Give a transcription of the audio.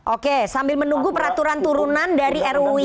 oke sambil menunggu peraturan turunan dari ruu ini